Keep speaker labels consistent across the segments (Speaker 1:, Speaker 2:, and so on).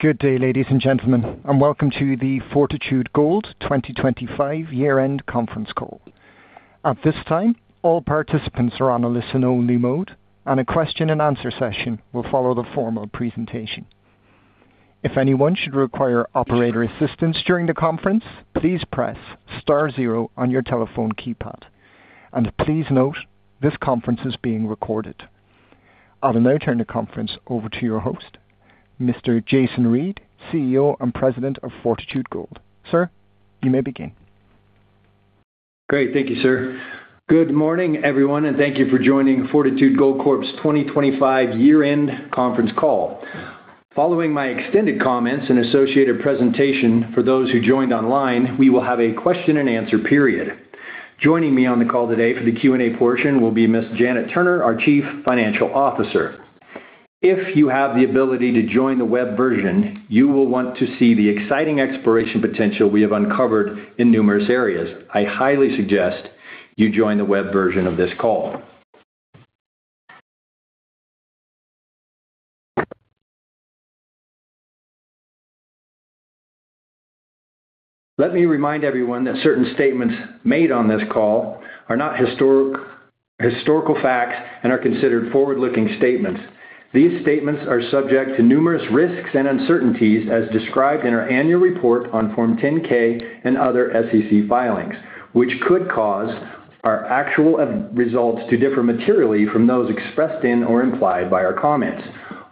Speaker 1: Good day, ladies and gentlemen, welcome to the Fortitude Gold 2025 year-end conference call. At this time, all participants are on a listen-only mode, a question-and-answer session will follow the formal presentation. If anyone should require operator assistance during the conference, please press star zero on your telephone keypad. Please note, this conference is being recorded. I'll now turn the conference over to your host, Mr. Jason Reid, CEO and President of Fortitude Gold. Sir, you may begin.
Speaker 2: Great. Thank you, sir. Good morning, everyone, thank you for joining Fortitude Gold Corp.'s 2025 year-end conference call. Following my extended comments and associated presentation for those who joined online, we will have a question-and-answer period. Joining me on the call today for the Q&A portion will be Ms. Janet Turner, our Chief Financial Officer. If you have the ability to join the web version, you will want to see the exciting exploration potential we have uncovered in numerous areas. I highly suggest you join the web version of this call. Let me remind everyone that certain statements made on this call are not historical facts and are considered forward-looking statements. These statements are subject to numerous risks and uncertainties as described in our annual report on Form 10-K and other SEC filings, which could cause our actual results to differ materially from those expressed in or implied by our comments.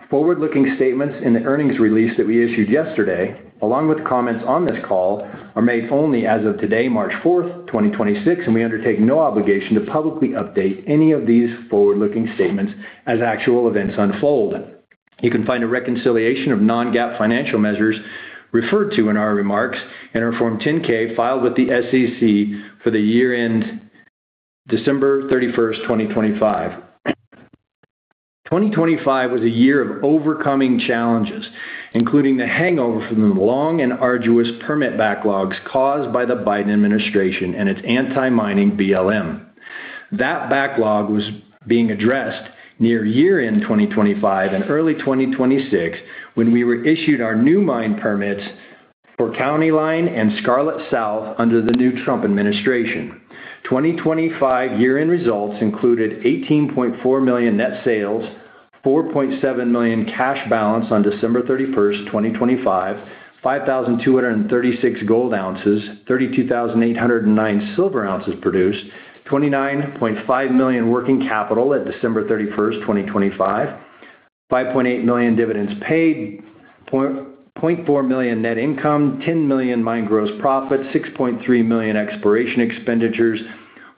Speaker 2: Forward-looking statements in the earnings release that we issued yesterday, along with comments on this call, are made only as of today, March 4th, 2026. We undertake no obligation to publicly update any of these forward-looking statements as actual events unfold. You can find a reconciliation of non-GAAP financial measures referred to in our remarks in our Form 10-K filed with the SEC for the year end December 31st, 2025. 2025 was a year of overcoming challenges, including the hangover from the long and arduous permit backlogs caused by the Biden administration and its anti-mining BLM. That backlog was being addressed near year-end 2025 and early 2026 when we were issued our new mine permits for County Line and Scarlet South under the new Trump administration. 2025 year-end results included $18.4 million net sales, $4.7 million cash balance on December 31st, 2025, 5,236 gold ounces, 32,809 silver ounces produced, $29.5 million working capital at December 31st, 2025, $5.8 million dividends paid, $0.4 million net income, $10 million mine gross profit, $6.3 million exploration expenditures,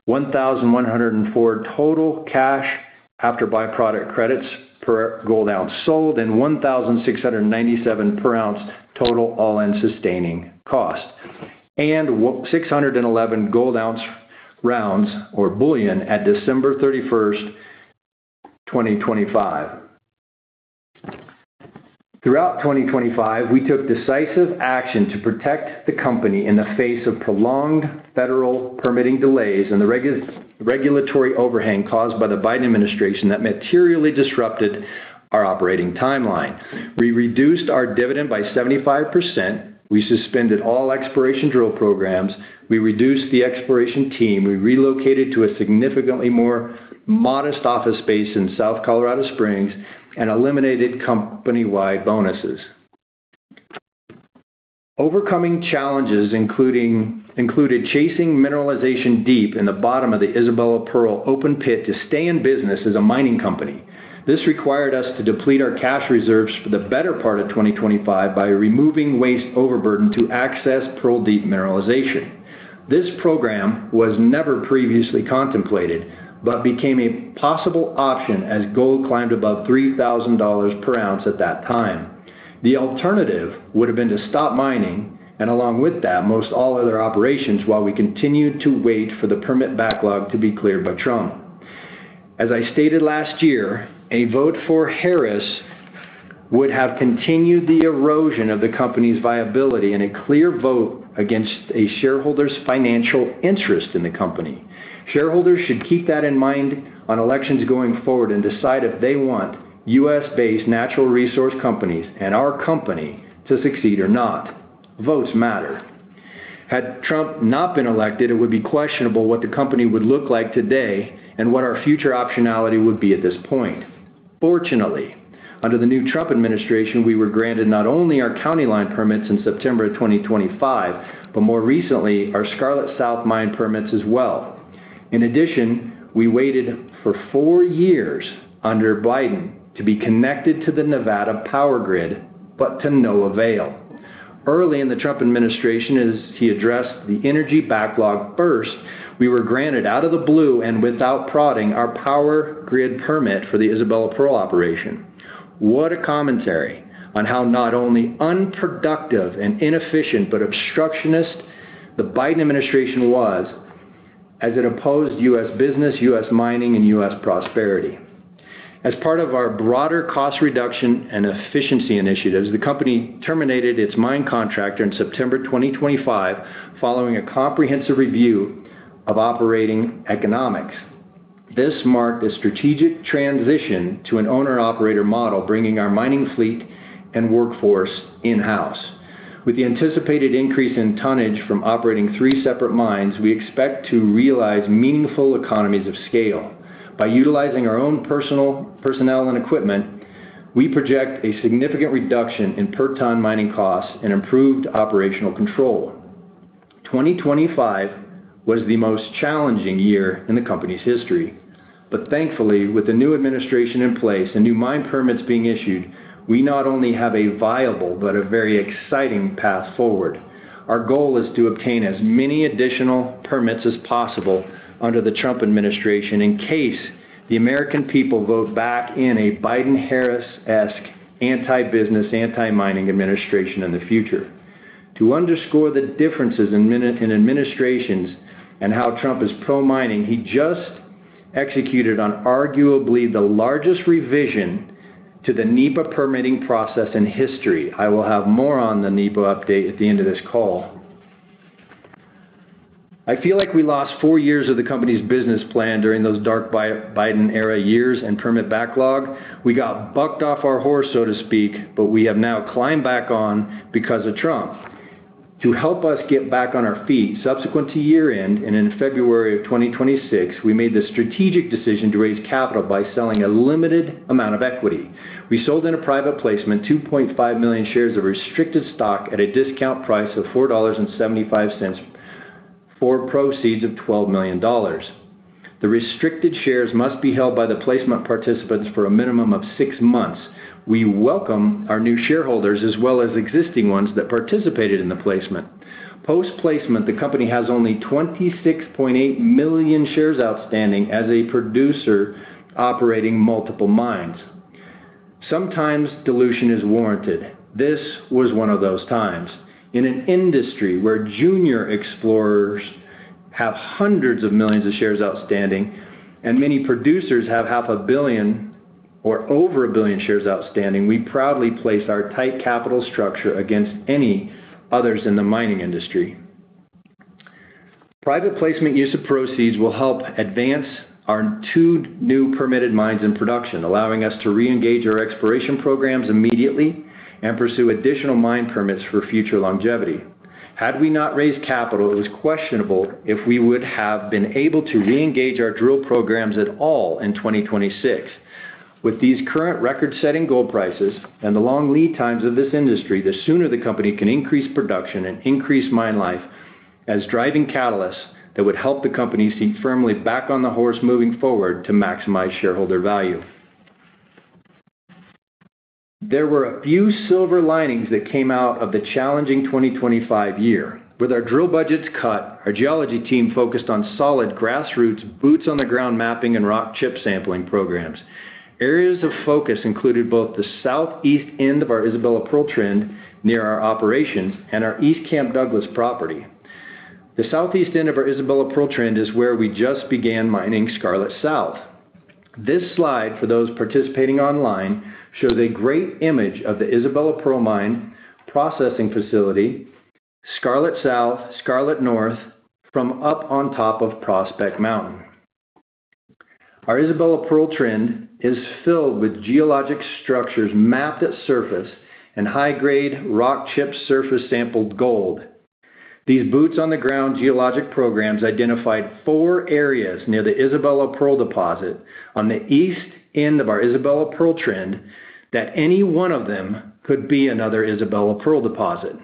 Speaker 2: $1,104 total cash after byproduct credits per gold ounce sold, and $1,697 per ounce total All-In Sustaining Cost, and 611 gold ounce rounds or bullion at December 31st, 2025. Throughout 2025, we took decisive action to protect the company in the face of prolonged federal permitting delays and the regulatory overhang caused by the Biden administration that materially disrupted our operating timeline. We reduced our dividend by 75%. We suspended all exploration drill programs. We reduced the exploration team. We relocated to a significantly more modest office space in South Colorado Springs and eliminated company-wide bonuses. Overcoming challenges included chasing mineralization deep in the bottom of the Isabella Pearl open pit to stay in business as a mining company. This required us to deplete our cash reserves for the better part of 2025 by removing waste overburden to access Pearl Deep mineralization. This program was never previously contemplated but became a possible option as gold climbed above $3,000 per ounce at that time. The alternative would have been to stop mining, and along with that, most all other operations, while we continued to wait for the permit backlog to be cleared by Trump. As I stated last year, a vote for Harris would have continued the erosion of the company's viability and a clear vote against a shareholder's financial interest in the company. Shareholders should keep that in mind on elections going forward and decide if they want U.S.-based natural resource companies and our company to succeed or not. Votes matter. Had Trump not been elected, it would be questionable what the company would look like today and what our future optionality would be at this point. Fortunately, under the new Trump administration, we were granted not only our County Line permits in September of 2025, but more recently, our Scarlet South Mine permits as well. In addition, we waited for four years under Biden to be connected to the Nevada power grid, but to no avail. Early in the Trump administration, as he addressed the energy backlog first, we were granted out of the blue and without prodding our power grid permit for the Isabella Pearl operation. What a commentary on how not only unproductive and inefficient but obstructionist the Biden administration was as it opposed U.S. business, U.S. mining, and U.S. prosperity. As part of our broader cost reduction and efficiency initiatives, the company terminated its mine contractor in September 2025 following a comprehensive review of operating economics. This marked a strategic transition to an owner operator model, bringing our mining fleet and workforce in-house. With the anticipated increase in tonnage from operating three separate mines, we expect to realize meaningful economies of scale. By utilizing our own personnel and equipment, we project a significant reduction in per ton mining costs and improved operational control. 2025 was the most challenging year in the company's history. Thankfully, with the new administration in place and new mine permits being issued, we not only have a viable but a very exciting path forward. Our goal is to obtain as many additional permits as possible under the Trump administration in case the American people vote back in a Biden Harris-esque anti-business, anti-mining administration in the future. To underscore the differences in administrations and how Trump is pro-mining, he just executed on arguably the largest revision to the NEPA permitting process in history. I will have more on the NEPA update at the end of this call. I feel like we lost four years of the company's business plan during those dark Biden era years and permit backlog. We got bucked off our horse, so to speak, but we have now climbed back on because of Trump. To help us get back on our feet subsequent to year-end and in February of 2026, we made the strategic decision to raise capital by selling a limited amount of equity. We sold in a private placement 2.5 million shares of restricted stock at a discount price of $4.75 for proceeds of $12 million. The restricted shares must be held by the placement participants for a minimum of six months. We welcome our new shareholders as well as existing ones that participated in the placement. Post-placement, the company has only 26.8 million shares outstanding as a producer operating multiple mines. Sometimes dilution is warranted. This was one of those times. In an industry where junior explorers have hundreds of millions of shares outstanding and many producers have 500,000,000 or over 1 billion shares outstanding, we proudly place our tight capital structure against any others in the mining industry. Private placement use of proceeds will help advance our two new permitted mines in production, allowing us to reengage our exploration programs immediately and pursue additional mine permits for future longevity. Had we not raised capital, it was questionable if we would have been able to reengage our drill programs at all in 2026. With these current record-setting gold prices and the long lead times of this industry, the sooner the company can increase production and increase mine life as driving catalysts that would help the company seat firmly back on the horse moving forward to maximize shareholder value. There were a few silver linings that came out of the challenging 2025 year. With our drill budgets cut, our geology team focused on solid grassroots boots on the ground mapping and rock chip sampling programs. Areas of focus included both the southeast end of our Isabella Pearl trend near our operations and our East Camp Douglas property. The southeast end of our Isabella Pearl trend is where we just began mining Scarlet South. This slide, for those participating online, shows a great image of the Isabella Pearl mine processing facility, Scarlet South, Scarlet North from up on top of Prospect Mountain. Our Isabella Pearl trend is filled with geologic structures mapped at surface and high-grade rock chip surface sampled gold. These boots on the ground geologic programs identified four areas near the Isabella Pearl deposit on the east end of our Isabella Pearl trend that any one of them could be another Isabella Pearl deposit.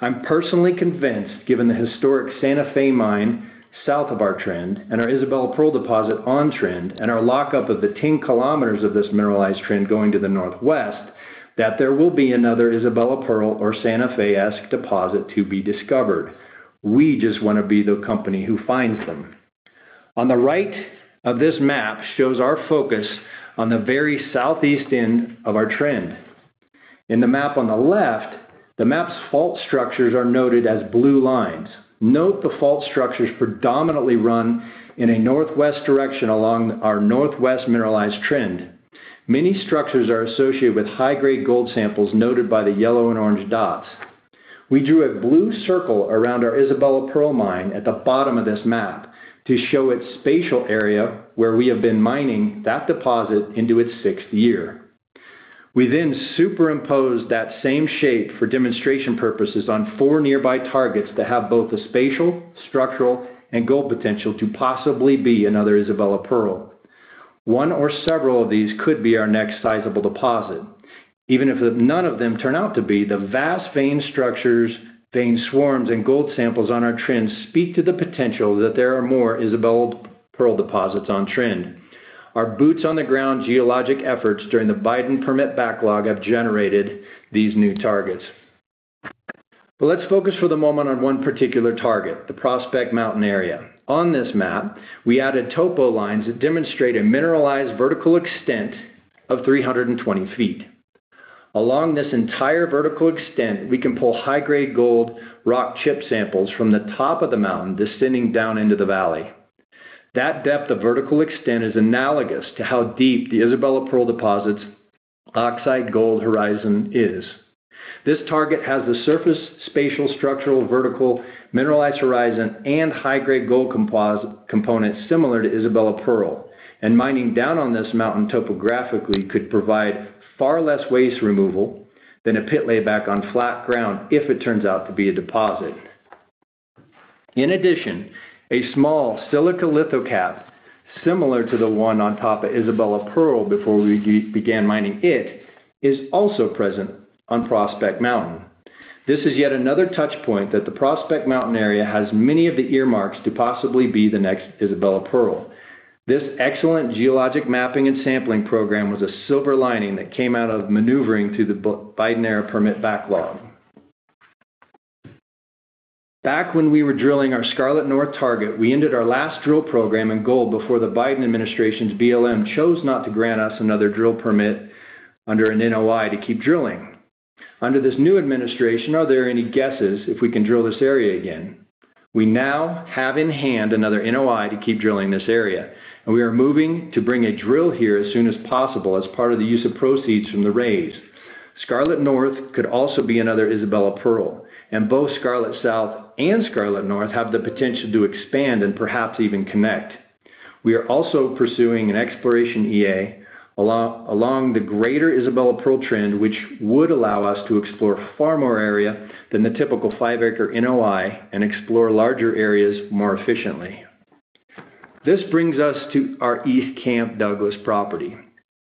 Speaker 2: I'm personally convinced, given the historic Santa Fe mine south of our trend and our Isabella Pearl deposit on trend and our lockup of the 10 kilometers of this mineralized trend going to the northwest, that there will be another Isabella Pearl or Santa Fe-esque deposit to be discovered. We just want to be the company who finds them. On the right of this map shows our focus on the very southeast end of our trend. In the map on the left, the map's fault structures are noted as blue lines. Note the fault structures predominantly run in a northwest direction along our northwest mineralized trend. Many structures are associated with high-grade gold samples noted by the yellow and orange dots. We drew a blue circle around our Isabella Pearl mine at the bottom of this map to show its spatial area where we have been mining that deposit into its sixth year. We superimposed that same shape for demonstration purposes on four nearby targets that have both the spatial, structural, and gold potential to possibly be another Isabella Pearl. one or several of these could be our next sizable deposit. Even if none of them turn out to be, the vast vein structures, vein swarms, and gold samples on our trends speak to the potential that there are more Isabella Pearl deposits on trend. Our boots on the ground geologic efforts during the Biden permit backlog have generated these new targets. Let's focus for the moment on one particular target, the Prospect Mountain area. On this map, we added topo lines that demonstrate a mineralized vertical extent of 320 feet. Along this entire vertical extent, we can pull high-grade gold rock chip samples from the top of the mountain descending down into the valley. That depth of vertical extent is analogous to how deep the Isabella Pearl deposit's oxide gold horizon is. This target has the surface spatial structural vertical mineralized horizon and high-grade gold composite component similar to Isabella Pearl. Mining down on this mountain topographically could provide far less waste removal than a pit layback on flat ground if it turns out to be a deposit. In addition, a small silica lithocap, similar to the one on top of Isabella Pearl before we began mining it, is also present on Prospect Mountain. This is yet another touch point that the Prospect Mountain area has many of the earmarks to possibly be the next Isabella Pearl. This excellent geologic mapping and sampling program was a silver lining that came out of maneuvering through the Biden era permit backlog. Back when we were drilling our Scarlet North target, we ended our last drill program in gold before the Biden administration's BLM chose not to grant us another drill permit under an NOI to keep drilling. Under this new administration, are there any guesses if we can drill this area again? We now have in hand another NOI to keep drilling this area. We are moving to bring a drill here as soon as possible as part of the use of proceeds from the raise. Scarlet North could also be another Isabella Pearl. Both Scarlet South and Scarlet North have the potential to expand and perhaps even connect. We are also pursuing an exploration EA along the greater Isabella Pearl trend, which would allow us to explore far more area than the typical 5 acre NOI and explore larger areas more efficiently. This brings us to our East Camp Douglas property.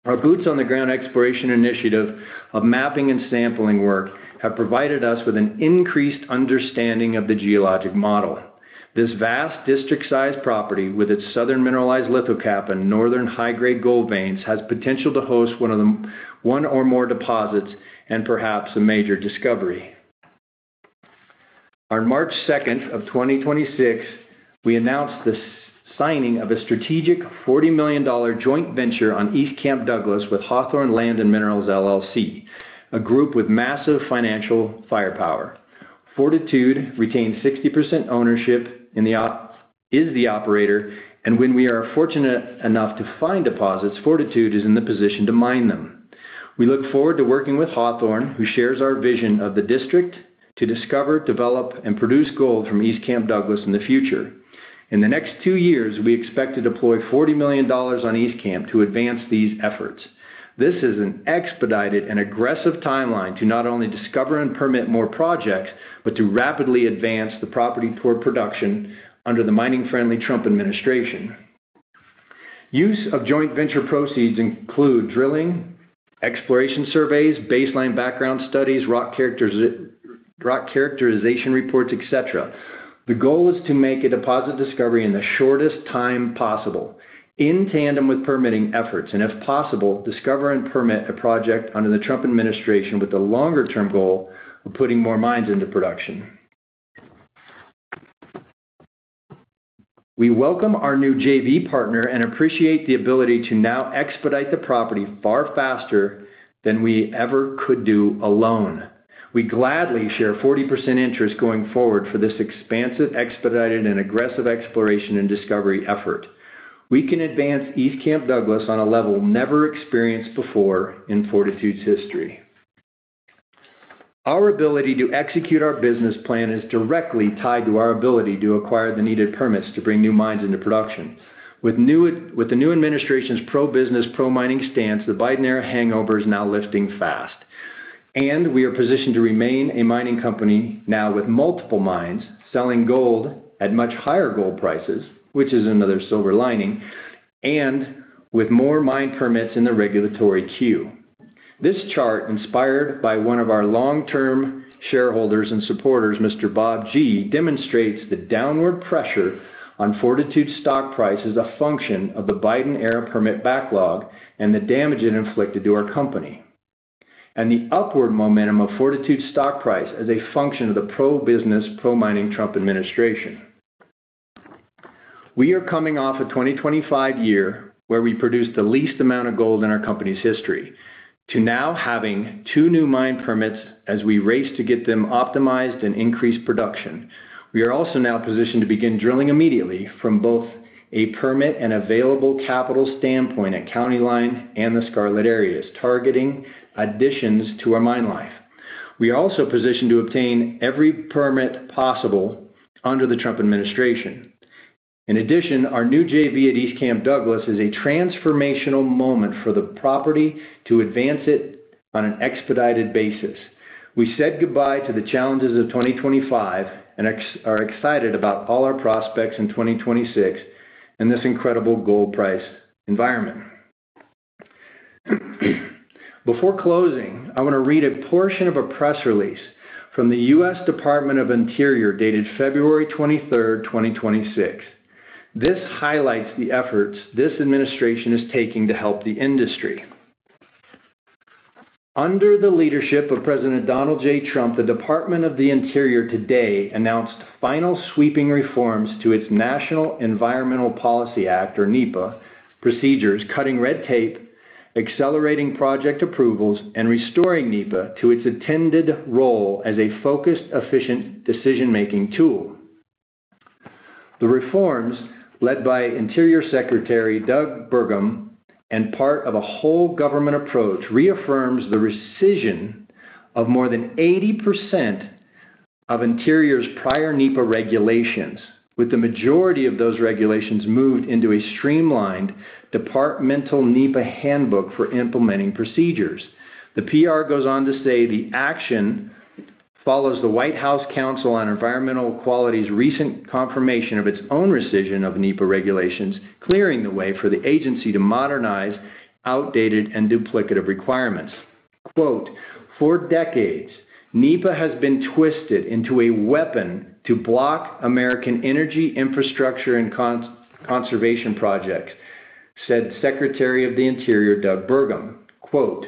Speaker 2: Our boots on the ground exploration initiative of mapping and sampling work have provided us with an increased understanding of the geologic model. This vast district-sized property with its southern mineralized lithocap and northern high-grade gold veins has potential to host one or more deposits and perhaps a major discovery. On March 2nd, 2026, we announced the signing of a strategic $40 million joint venture on East Camp Douglas with Hawthorne Land & Minerals, LLC, a group with massive financial firepower. Fortitude retains 60% ownership in the operator. When we are fortunate enough to find deposits, Fortitude is in the position to mine them. We look forward to working with Hawthorne, who shares our vision of the district to discover, develop, and produce gold from East Camp Douglas in the future. In the next two years, we expect to deploy $40 million on East Camp to advance these efforts. This is an expedited and aggressive timeline to not only discover and permit more projects, but to rapidly advance the property toward production under the mining-friendly Trump administration. Use of joint venture proceeds include drilling, exploration surveys, baseline background studies, rock characterization reports, etc. The goal is to make a deposit discovery in the shortest time possible in tandem with permitting efforts, and if possible, discover and permit a project under the Trump administration with the longer-term goal of putting more mines into production. We welcome our new JV partner and appreciate the ability to now expedite the property far faster than we ever could do alone. We gladly share 40% interest going forward for this expansive, expedited, and aggressive exploration and discovery effort. We can advance East Camp Douglas on a level never experienced before in Fortitude's history. Our ability to execute our business plan is directly tied to our ability to acquire the needed permits to bring new mines into production. With the new administration's pro-business, pro-mining stance, the Biden-era hangover is now lifting fast, and we are positioned to remain a mining company now with multiple mines selling gold at much higher gold prices, which is another silver lining, and with more mine permits in the regulatory queue. This chart, inspired by one of our long-term shareholders and supporters, Mr. Bob G., demonstrates the downward pressure on Fortitude's stock price as a function of the Biden-era permit backlog and the damage it inflicted to our company, and the upward momentum of Fortitude's stock price as a function of the pro-business, pro-mining Trump administration. We are coming off a 2025 year where we produced the least amount of gold in our company's history to now having two new mine permits as we race to get them optimized and increase production. We are also now positioned to begin drilling immediately from both a permit and available capital standpoint at County Line and the Scarlet areas, targeting additions to our mine life. We are also positioned to obtain every permit possible under the Trump administration. In addition, our new JV at East Camp Douglas is a transformational moment for the property to advance it on an expedited basis. We said goodbye to the challenges of 2025 and are excited about all our prospects in 2026 and this incredible gold price environment. Before closing, I want to read a portion of a press release from the U.S. Department of the Interior dated February 23rd, 2026. This highlights the efforts this administration is taking to help the industry. Under the leadership of President Donald J. Trump, the Department of the Interior today announced final sweeping reforms to its National Environmental Policy Act, or NEPA, procedures cutting red tape, accelerating project approvals, and restoring NEPA to its intended role as a focused, efficient decision-making tool. The reforms led by Interior Secretary Doug Burgum and part of a whole government approach reaffirms the rescission of more than 80% of Interior's prior NEPA regulations, with the majority of those regulations moved into a streamlined departmental NEPA handbook for implementing procedures. The PR goes on to say the action follows the White House Council on Environmental Quality's recent confirmation of its own rescission of NEPA regulations, clearing the way for the agency to modernize outdated and duplicative requirements. Quote, for decades, NEPA has been twisted into a weapon to block American energy infrastructure and conservation projects, said Secretary of the Interior Doug Burgum. Quote,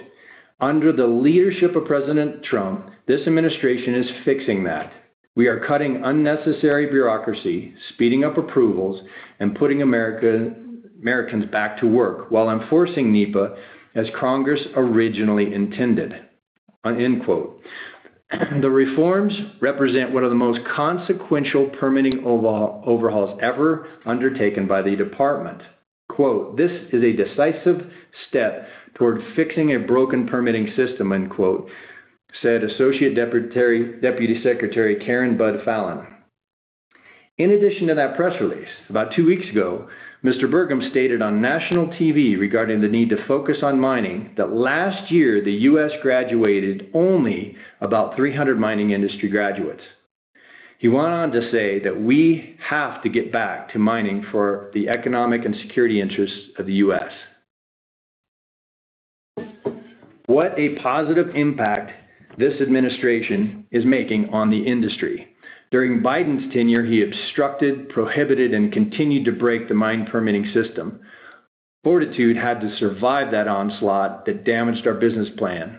Speaker 2: under the leadership of President Trump, this administration is fixing that. We are cutting unnecessary bureaucracy, speeding up approvals, and putting Americans back to work while enforcing NEPA as Congress originally intended, end quote. The reforms represent one of the most consequential permitting overhauls ever undertaken by the department. This is a decisive step toward fixing a broken permitting system, said Associate Deputy Secretary Karen Budd-Falen. In addition to that press release, about two weeks ago, Mr. Burgum stated on national TV regarding the need to focus on mining that last year, the U.S. graduated only about 300 mining industry graduates. He went on to say that we have to get back to mining for the economic and security interests of the U.S. What a positive impact this administration is making on the industry. During Biden's tenure, he obstructed, prohibited, and continued to break the mine permitting system. Fortitude had to survive that onslaught that damaged our business plan.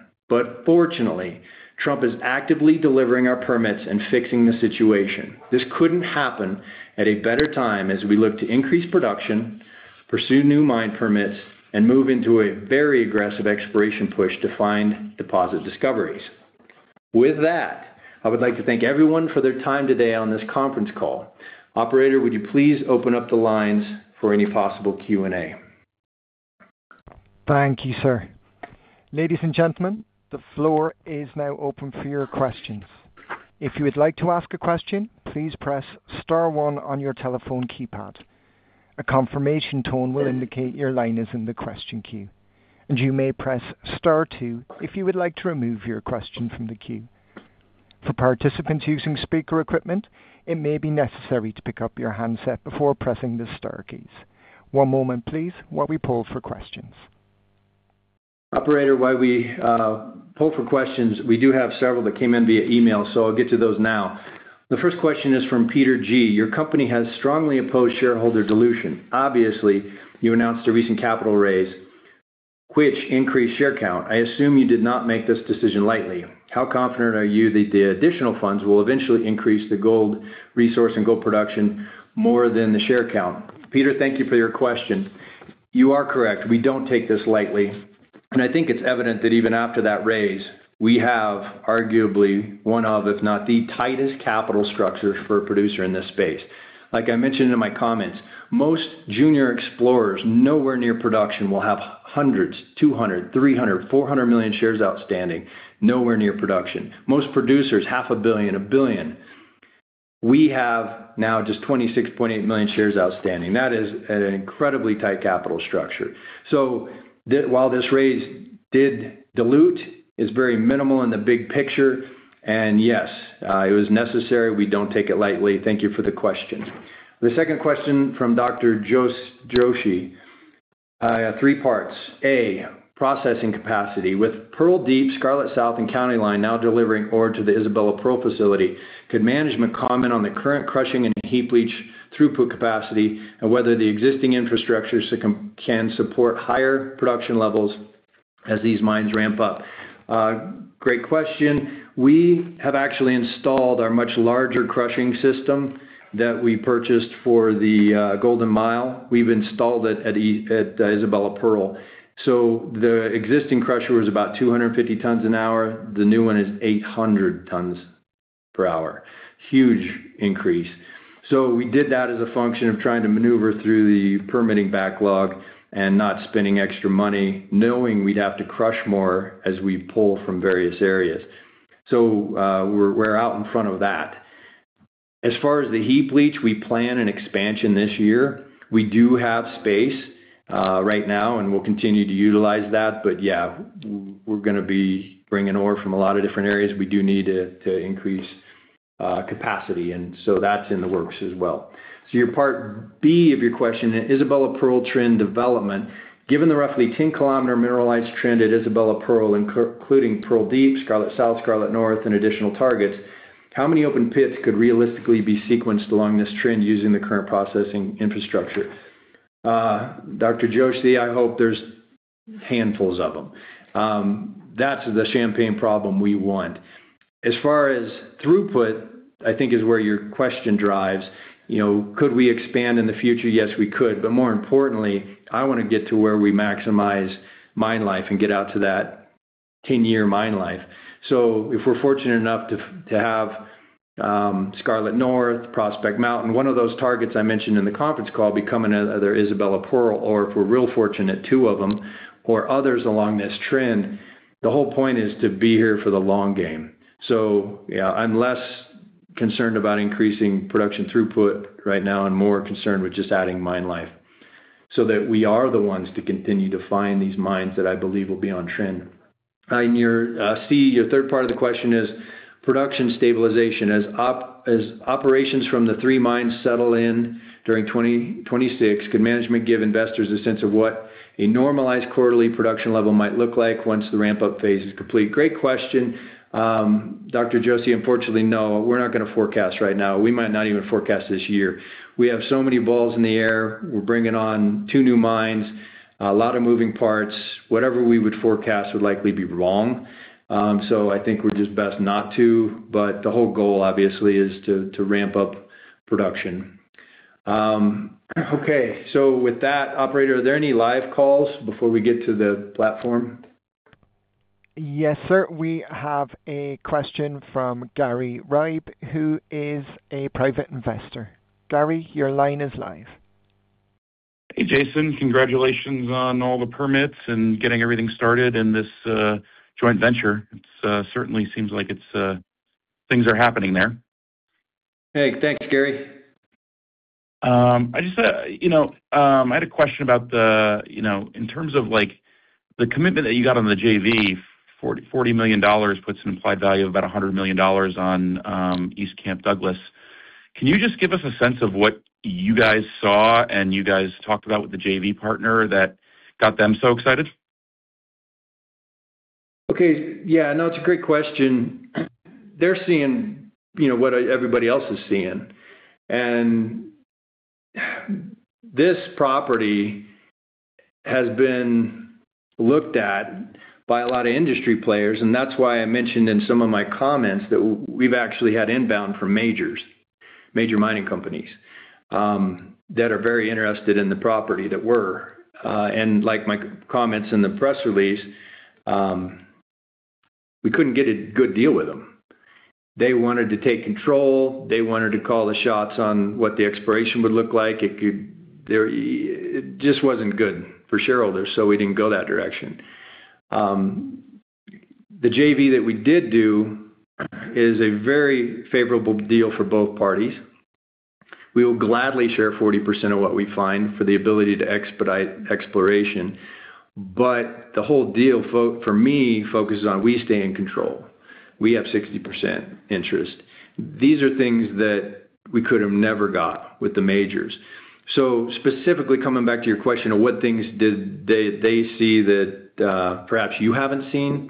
Speaker 2: Fortunately, Trump is actively delivering our permits and fixing the situation. This couldn't happen at a better time as we look to increase production, pursue new mine permits, and move into a very aggressive exploration push to find deposit discoveries. With that, I would like to thank everyone for their time today on this conference call. Operator, would you please open up the lines for any possible Q&A?
Speaker 1: Thank you, sir. Ladies and gentlemen, the floor is now open for your questions. If you would like to ask a question, please press star one on your telephone keypad. A confirmation tone will indicate your line is in the question queue, and you may press Star two if you would like to remove your question from the queue. For participants using speaker equipment, it may be necessary to pick up your handset before pressing the star keys. One moment please while we poll for questions.
Speaker 2: Operator, while we poll for questions, we do have several that came in via email. I'll get to those now. The first question is from Peter G. Your company has strongly opposed shareholder dilution. Obviously, you announced a recent capital raise, which increased share count. I assume you did not make this decision lightly. How confident are you that the additional funds will eventually increase the gold resource and gold production more than the share count? Peter, thank you for your question. You are correct. We don't take this lightly. I think it's evident that even after that raise, we have arguably one of, if not the tightest capital structures for a producer in this space. Like I mentioned in my comments, most junior explorers nowhere near production will have 100, 200, 300, 400 million shares outstanding, nowhere near production. Most producers, 500,000,000, 1,000,000,000. We have now just 26.8 million shares outstanding. That is an incredibly tight capital structure. While this raise did dilute, it's very minimal in the big picture. Yes, it was necessary. We don't take it lightly. Thank you for the question. The second question from Dr. Joshi. I have three parts. A, processing capacity. With Pearl Deep, Scarlet South, and County Line now delivering ore to the Isabella Pearl facility, could management comment on the current crushing and heap leach throughput capacity and whether the existing infrastructure can support higher production levels as these mines ramp up? Great question. We have actually installed our much larger crushing system that we purchased for the Golden Mile. We've installed it at Isabella Pearl. The existing crusher was about 250 tons an hour. The new one is 800 tons per hour. Huge increase. We did that as a function of trying to maneuver through the permitting backlog and not spending extra money knowing we'd have to crush more as we pull from various areas. We're out in front of that. As far as the heap leach, we plan an expansion this year. We do have space right now, and we'll continue to utilize that. Yeah, we're gonna be bringing ore from a lot of different areas. We do need to increase capacity, and so that's in the works as well. Your part B of your question, Isabella Pearl Trend Development. Given the roughly 10 km mineralized trend at Isabella Pearl, including Pearl Deep, Scarlet South, Scarlet North, and additional targets, how many open pits could realistically be sequenced along this trend using the current processing infrastructure? Dr. Joshi, I hope there's handfuls of them. That's the champagne problem we want. As far as throughput, I think is where your question drives. You know, could we expand in the future? Yes, we could. More importantly, I want to get to where we maximize mine life and get out to that 10-year mine life. If we're fortunate enough to have Scarlet North, Prospect Mountain, one of those targets I mentioned in the conference call becoming another Isabella Pearl, or if we're real fortunate, two of them or others along this trend, the whole point is to be here for the long game. Yeah, I'm less concerned about increasing production throughput right now, I'm more concerned with just adding mine life so that we are the ones to continue to find these mines that I believe will be on trend. Your third part of the question is production stabilization. As operations from the three mines settle in during 2026, could management give investors a sense of what a normalized quarterly production level might look like once the ramp-up phase is complete? Great question, Dr. Joshi. Unfortunately, no, we're not gonna forecast right now. We might not even forecast this year. We have so many balls in the air. We're bringing on two new mines, a lot of moving parts. Whatever we would forecast would likely be wrong. I think we're just best not to, but the whole goal, obviously, is to ramp up production. Okay. With that, operator, are there any live calls before we get to the platform?
Speaker 1: Yes, sir. We have a question from Gary Ripe, who is a private investor. Gary, your line is live.
Speaker 3: Hey, Jason. Congratulations on all the permits and getting everything started in this joint venture. It's certainly seems like it's things are happening there.
Speaker 2: Hey. Thanks, Gary.
Speaker 3: I just, you know, I had a question about the, you know, in terms of, like, the commitment that you got on the JV, $40 million puts an implied value of about $100 million on East Camp Douglas. Can you just give us a sense of what you guys saw and you guys talked about with the JV partner that got them so excited?
Speaker 2: Okay. Yeah. No, it's a great question. They're seeing, you know, what everybody else is seeing. This property has been looked at by a lot of industry players, and that's why I mentioned in some of my comments that we've actually had inbound from majors, major mining companies, that are very interested in the property that were. Like my comments in the press release, we couldn't get a good deal with them. They wanted to take control. They wanted to call the shots on what the exploration would look like. It just wasn't good for shareholders, we didn't go that direction. The JV that we did do is a very favorable deal for both parties. We will gladly share 40% of what we find for the ability to expedite exploration. The whole deal for me focuses on we stay in control. We have 60% interest. These are things that we could have never got with the majors. Specifically coming back to your question of what things did they see that perhaps you haven't seen,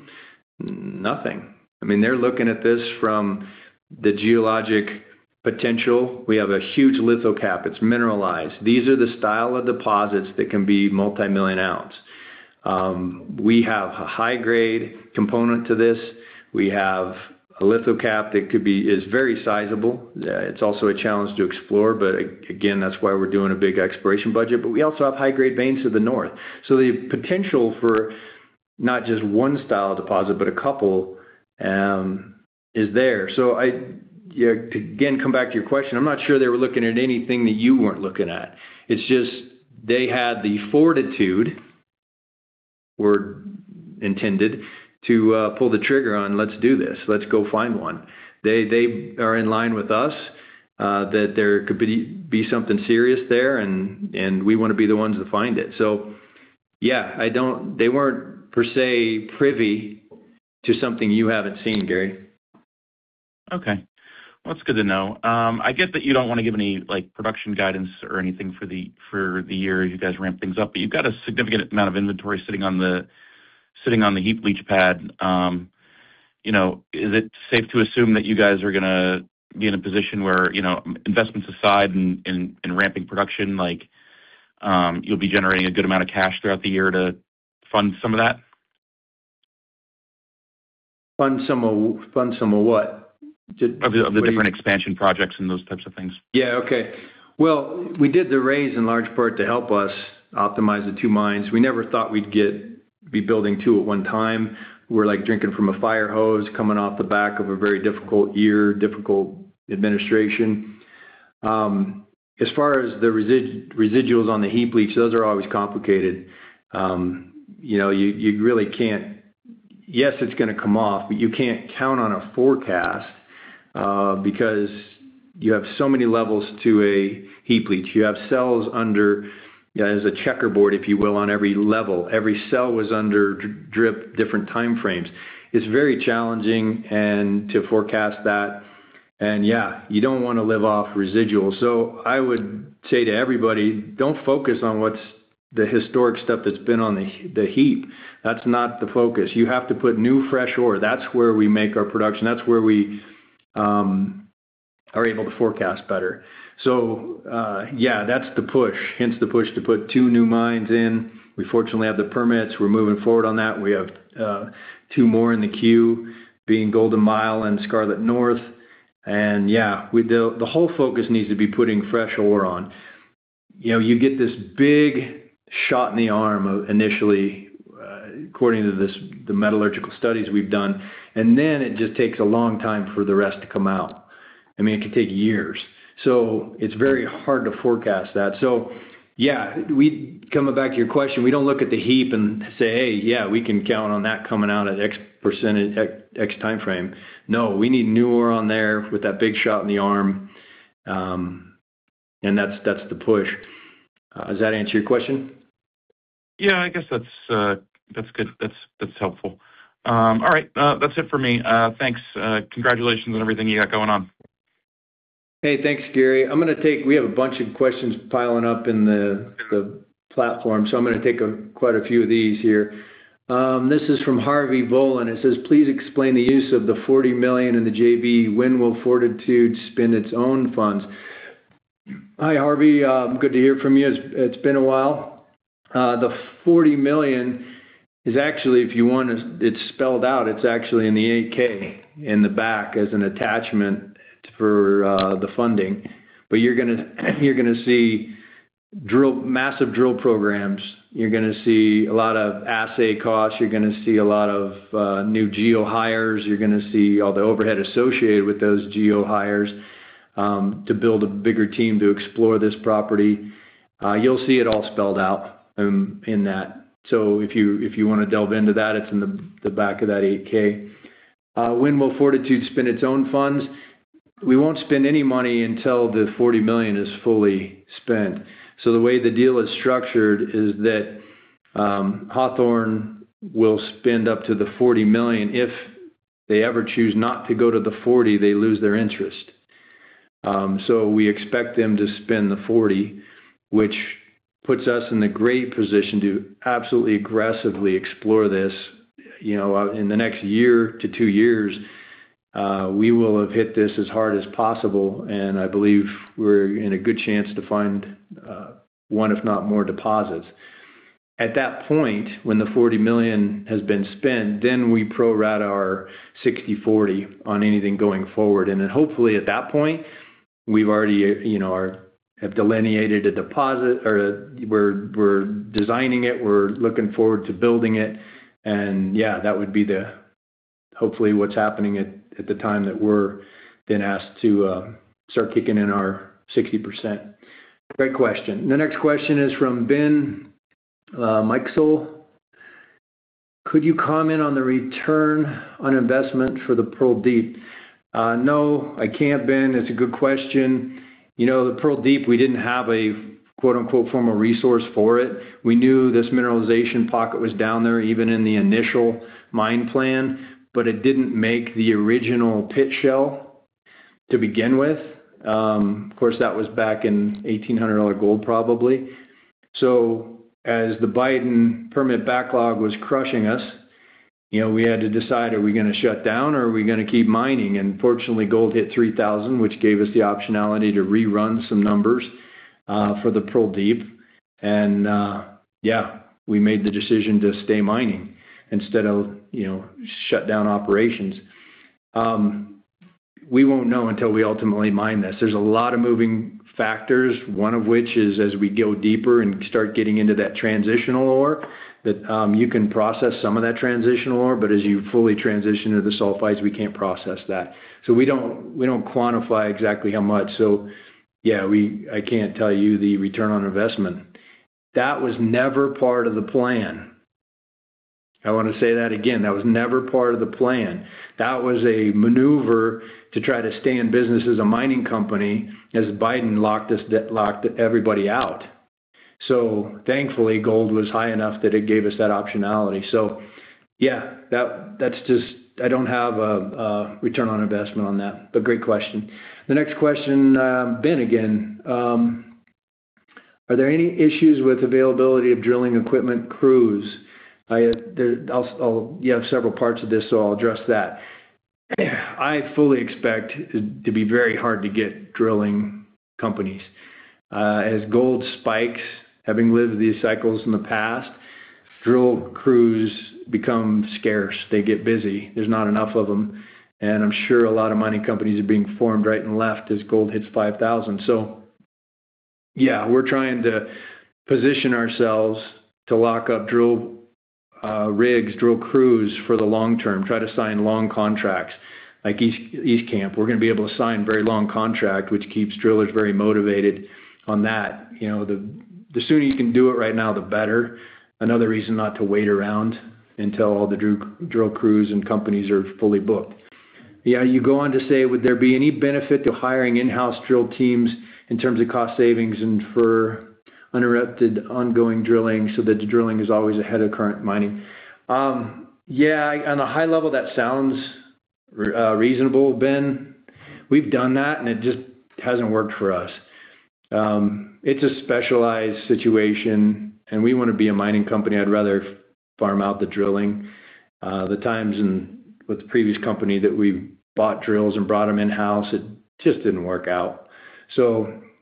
Speaker 2: nothing. I mean, they're looking at this from the geologic potential. We have a huge lithocap. It's mineralized. These are the style of deposits that can be multimillion ounce. We have a high-grade component to this. We have a lithocap that is very sizable. It's also a challenge to explore, but again, that's why we're doing a big exploration budget. We also have high-grade veins to the north. The potential for not just one style of deposit, but a couple, is there. I, again, come back to your question. I'm not sure they were looking at anything that you weren't looking at. It's just they had the fortitude, word intended, to pull the trigger on, "Let's do this. Let's go find one." They are in line with us that there could be something serious there, and we wanna be the ones to find it. Yeah, I don't. They weren't per se privy to something you haven't seen, Gary.
Speaker 3: Okay. Well, that's good to know. I get that you don't wanna give any, like, production guidance or anything for the year as you guys ramp things up, but you've got a significant amount of inventory sitting on the heap leach pad. You know, is it safe to assume that you guys are gonna be in a position where, you know, investments aside and ramping production, like, you'll be generating a good amount of cash throughout the year to fund some of that?
Speaker 2: Fund some of what?
Speaker 3: Of the different expansion projects and those types of things.
Speaker 2: Yeah. Okay. Well, we did the raise in large part to help us optimize the two mines. We never thought we'd be building two at one time. We're, like, drinking from a fire hose coming off the back of a very difficult year, difficult administration. As far as the residuals on the heap leach, those are always complicated. You know, you really can't. Yes, it's gonna come off, but you can't count on a forecast because you have so many levels to a heap leach. You have cells under, as a checkerboard, if you will, on every level. Every cell was under drip different time frames. It's very challenging and to forecast that. Yeah, you don't wanna live off residuals. I would say to everybody, don't focus on what's the historic stuff that's been on the heap. That's not the focus. You have to put new fresh ore. That's where we make our production. That's where we are able to forecast better. Yeah, that's the push, hence the push to put two new mines in. We fortunately have the permits. We're moving forward on that. We have two more in the queue, being Golden Mile and Scarlet North. Yeah, the whole focus needs to be putting fresh ore on. You know, you get this big shot in the arm initially, according to this, the metallurgical studies we've done, and then it just takes a long time for the rest to come out. I mean, it could take years. It's very hard to forecast that. Yeah, we- Coming back to your question, we don't look at the heap and say, "Hey, yeah, we can count on that coming out at X percentage at X timeframe." No, we need new ore on there with that big shot in the arm, and that's the push. Does that answer your question?
Speaker 3: Yeah, I guess that's good. That's helpful. All right. That's it for me. Thanks. Congratulations on everything you got going on.
Speaker 2: Hey, thanks, Gary. We have a bunch of questions piling up in the platform, so I'm gonna take quite a few of these here. This is from Harvey Bolan. It says, "Please explain the use of the $40 million in the JV. When will Fortitude spend its own funds?" Hi, Harvey. Good to hear from you. It's been a while. The $40 million is actually, if you want it's spelled out. It's actually in the 8-K in the back as an attachment for the funding. You're gonna, you're gonna see drill, massive drill programs. You're gonna see a lot of assay costs. You're gonna see a lot of new geo hires. You're gonna see all the overhead associated with those geo hires to build a bigger team to explore this property. You'll see it all spelled out in that. If you wanna delve into that, it's in the back of that 8-K. When will Fortitude spend its own funds? We won't spend any money until the $40 million is fully spent. The way the deal is structured is that Hawthorne will spend up to the $40 million. If they ever choose not to go to the $40 million, they lose their interest. We expect them to spend the $40 million, which puts us in a great position to absolutely aggressively explore this. You know, in the next year to two years, we will have hit this as hard as possible, and I believe we're in a good chance to find one, if not more deposits. At that point, when the $40 million has been spent, we pro rata our 60/40 on anything going forward. Hopefully at that point, we've already, you know, have delineated a deposit or we're designing it. We're looking forward to building it. Yeah, that would be the hopefully what's happening at the time that we're then asked to start kicking in our 60%. Great question. The next question is from Ben Mikesell. Could you comment on the return on investment for the Pearl Deep? No, I can't, Ben. It's a good question. You know, the Pearl Deep, we didn't have a quote-unquote "formal resource" for it. We knew this mineralization pocket was down there, even in the initial mine plan, but it didn't make the original pit shell to begin with. Of course, that was back in $1,800 gold, probably. As the Biden permit backlog was crushing us, you know, we had to decide, are we gonna shut down, or are we gonna keep mining? Fortunately, gold hit $3,000, which gave us the optionality to rerun some numbers for the Pearl Deep. Yeah, we made the decision to stay mining instead of, you know, shut down operations. We won't know until we ultimately mine this. There's a lot of moving factors, one of which is, as we go deeper and start getting into that transitional ore, that you can process some of that transitional ore, but as you fully transition to the sulfides, we can't process that. We don't quantify exactly how much. Yeah, we... I can't tell you the return on investment. That was never part of the plan. I want to say that again. That was never part of the plan. That was a maneuver to try to stay in business as a mining company as Biden locked everybody out. Thankfully, gold was high enough that it gave us that optionality. Yeah, that's just I don't have a return on investment on that. Great question. The next question, Ben again. Are there any issues with availability of drilling equipment crews? I'll You have several parts of this, so I'll address that. I fully expect it to be very hard to get drilling companies. As gold spikes, having lived these cycles in the past, drill crews become scarce. They get busy. There's not enough of them, and I'm sure a lot of mining companies are being formed right and left as gold hits $5,000. Yeah, we're trying to position ourselves to lock up drill rigs, drill crews for the long term, try to sign long contracts. Like East Camp, we're gonna be able to sign very long contract, which keeps drillers very motivated on that. You know, the sooner you can do it right now, the better. Another reason not to wait around until all the drill crews and companies are fully booked. You go on to say, would there be any benefit to hiring in-house drill teams in terms of cost savings and for uninterrupted ongoing drilling so that the drilling is always ahead of current mining? Yeah, on a high level, that sounds reasonable, Ben. We've done that. It just hasn't worked for us. It's a specialized situation. We wanna be a mining company. I'd rather farm out the drilling. The times with the previous company that we bought drills and brought them in-house, it just didn't work out.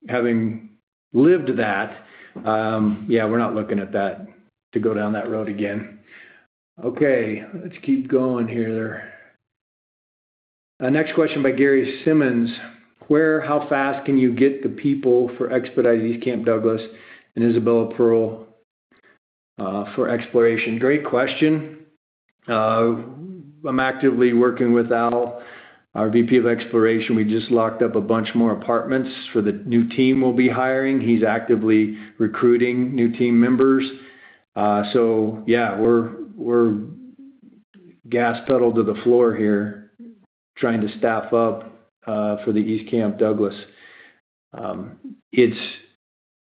Speaker 2: Having lived that, yeah, we're not looking at that, to go down that road again. Let's keep going here. Next question by Gary Simmons. Where, how fast can you get the people for expediting East Camp Douglas and Isabella Pearl for exploration? Great question. I'm actively working with Al, our VP of exploration. We just locked up a bunch more apartments for the new team we'll be hiring. He's actively recruiting new team members. Yeah, we're gas pedal to the floor here trying to staff up for the East Camp Douglas. It's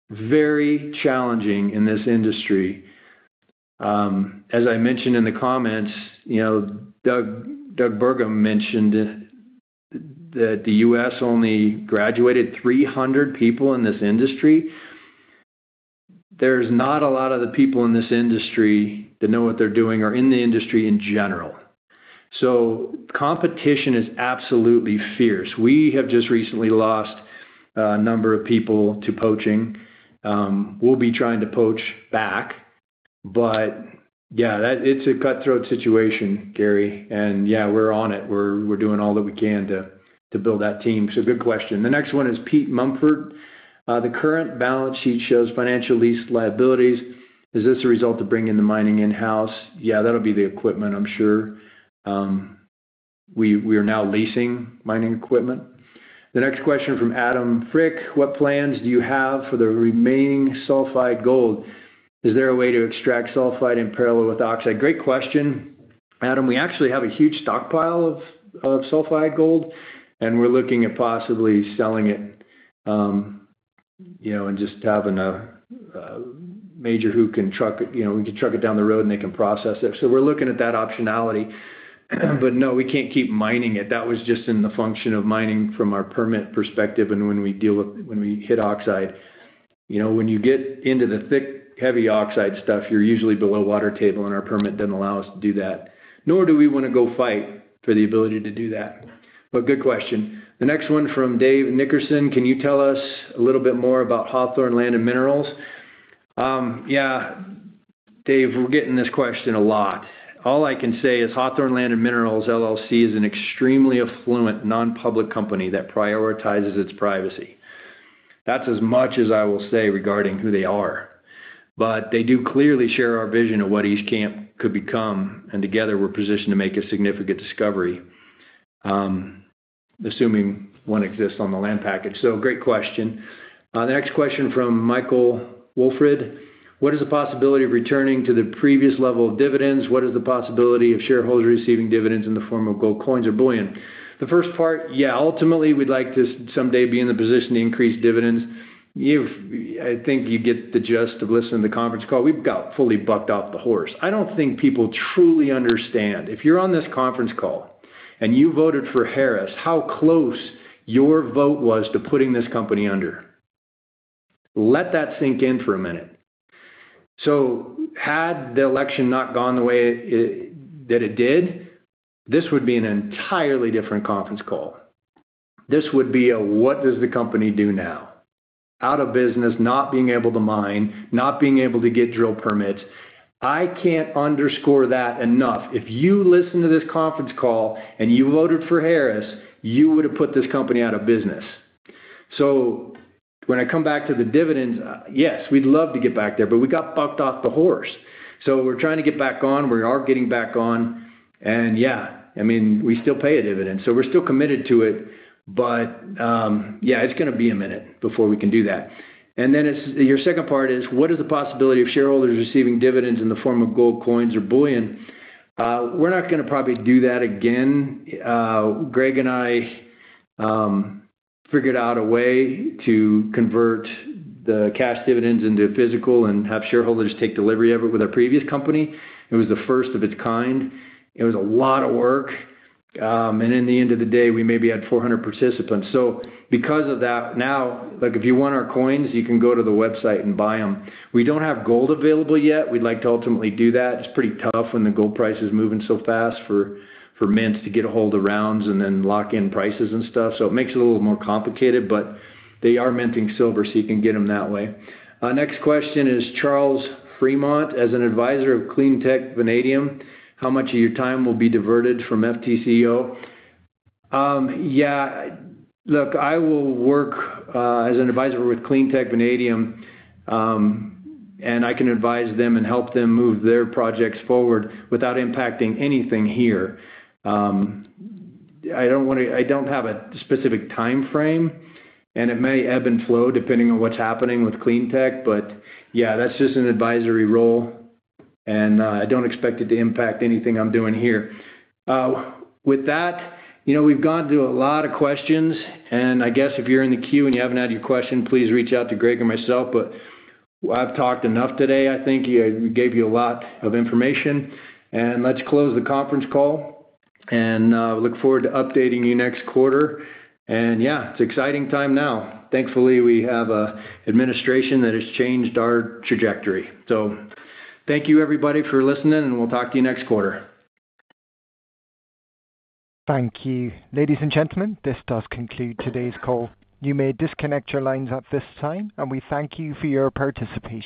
Speaker 2: very challenging in this industry. As I mentioned in the comments, you know, Doug Burgum mentioned that the U.S. only graduated 300 people in this industry. There's not a lot of the people in this industry that know what they're doing or in the industry in general. Competition is absolutely fierce. We have just recently lost a number of people to poaching. We'll be trying to poach back. Yeah, that it's a cutthroat situation, Gary. Yeah, we're on it. We're doing all that we can to build that team. Good question. The next one is Pete Mumford. The current balance sheet shows financial lease liabilities. Is this a result of bringing the mining in-house? Yeah, that'll be the equipment, I'm sure. We are now leasing mining equipment. The next question from Adam Frick. What plans do you have for the remaining sulfide gold? Is there a way to extract sulfide in parallel with oxide? Great question, Adam. We actually have a huge stockpile of sulfide gold, and we're looking at possibly selling it, you know, and just having a major who can truck it. You know, we can truck it down the road and they can process it. We're looking at that optionality. No, we can't keep mining it. That was just in the function of mining from our permit perspective and when we deal with when we hit oxide. You know, when you get into the thick, heavy oxide stuff, you're usually below water table, and our permit doesn't allow us to do that, nor do we want to go fight for the ability to do that. Good question. The next one from Dave Nickerson. Can you tell us a little bit more about Hawthorne Land & Minerals? Yeah. Dave, we're getting this question a lot. All I can say is Hawthorne Land & Minerals, LLC is an extremely affluent, non-public company that prioritizes its privacy. That's as much as I will say regarding who they are. They do clearly share our vision of what East Camp could become, and together we're positioned to make a significant discovery, assuming one exists on the land package. Great question. The next question from Michael Wolfrid. What is the possibility of returning to the previous level of dividends? What is the possibility of shareholders receiving dividends in the form of gold coins or bullion? The first part, yeah, ultimately, we'd like to someday be in the position to increase dividends. I think you get the gist of listening to the conference call. We've got fully bucked off the horse. I don't think people truly understand, if you're on this conference call and you voted for Harris, how close your vote was to putting this company under. Let that sink in for a minute. Had the election not gone the way it did, this would be an entirely different conference call. This would be a, what does the company do now? Out of business, not being able to mine, not being able to get drill permits. I can't underscore that enough. If you listen to this conference call and you voted for Harris, you would have put this company out of business. When I come back to the dividends, yes, we'd love to get back there, but we got bucked off the horse. We're trying to get back on. We are getting back on. Yeah, I mean, we still pay a dividend, so we're still committed to it. Yeah, it's gonna be a minute before we can do that. Your second part is, what is the possibility of shareholders receiving dividends in the form of gold coins or bullion? We're not gonna probably do that again. Greg and I figured out a way to convert the cash dividends into physical and have shareholders take delivery of it with our previous company. It was the first of its kind. It was a lot of work. And in the end of the day, we maybe had 400 participants. Because of that, now, like, if you want our coins, you can go to the website and buy them. We don't have gold available yet. We'd like to ultimately do that. It's pretty tough when the gold price is moving so fast for mints to get a hold of rounds and then lock in prices and stuff. It makes it a little more complicated, but they are minting silver, so you can get them that way. Our next question is Charles Frémont: As an advisor of CleanTech Vanadium, how much of your time will be diverted from FTCO? Yeah. Look, I will work as an advisor with CleanTech Vanadium, and I can advise them and help them move their projects forward without impacting anything here. I don't have a specific timeframe, and it may ebb and flow depending on what's happening with CleanTech. Yeah, that's just an advisory role, and I don't expect it to impact anything I'm doing here. With that, you know, we've gone through a lot of questions, and I guess if you're in the queue and you haven't had your question, please reach out to Greg or myself. I've talked enough today, I think. I gave you a lot of information. Let's close the conference call, and look forward to updating you next quarter. It's exciting time now. Thankfully, we have a administration that has changed our trajectory. Thank you everybody for listening, and we'll talk to you next quarter.
Speaker 1: Thank you. Ladies and gentlemen, this does conclude today's call. You may disconnect your lines at this time, and we thank you for your participation.